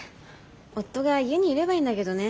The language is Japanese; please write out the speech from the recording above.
夫が家にいればいいんだけどね。